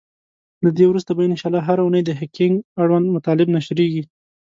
له دی وروسته به ان شاءالله هره اونۍ د هکینګ اړوند مطالب نشریږی.